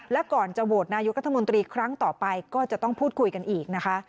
และก่อนจะโหวตนายกรัฐมนตรีครั้งต่อไปก็จะต้องพูดคุยกันอีกนะคะ